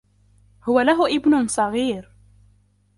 هو له ابن صغير.